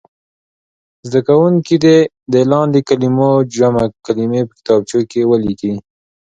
زده کوونکي دې د لاندې کلمو جمع کلمې په کتابچو کې ولیکي.